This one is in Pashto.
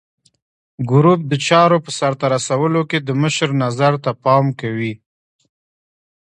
ګروپ د چارو په سرته رسولو کې د مشر نظر ته پام کوي.